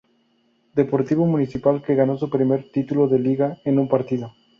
Deportivo Municipal que ganó su primer título de Liga en un partido.